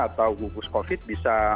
atau gugus covid bisa